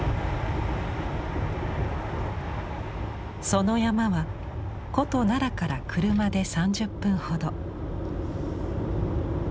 その山は古都・奈良から車で３０分ほど。